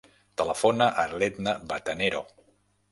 Telefona a l'Edna Batanero.